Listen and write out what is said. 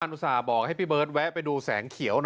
อุตส่าห์บอกให้พี่เบิร์ตแวะไปดูแสงเขียวหน่อย